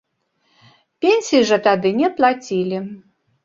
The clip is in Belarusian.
Пенсій жа тады не плацілі.